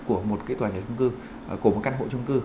của một căn hộ trung cư